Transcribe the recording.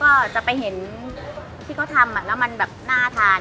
ก็จะไปเห็นที่เขาทำแล้วมันแบบน่าทาน